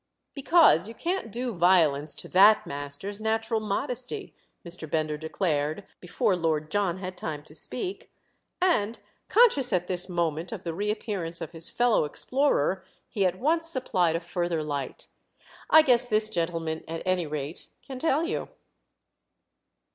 "Because you can't do violence to that master's natural modesty," Mr. Bender declared before Lord John had time to speak. And conscious at this moment of the reappearance of his fellow explorer, he at once supplied a further light. "I guess this gentleman at any rate can tell you."